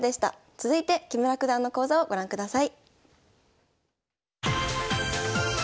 続いて木村九段の講座をご覧ください。